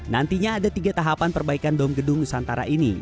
nantinya ada tiga tahapan perbaikan dom gedung nusantara ini